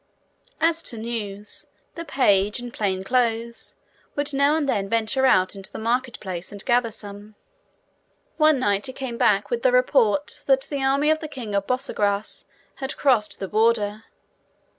As to news, the page, in plain clothes, would now and then venture out into the market place, and gather some. One night he came back with the report that the army of the king of Borsagrass had crossed the border.